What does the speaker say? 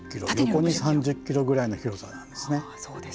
横に３０キロぐらいの広さなんですよね。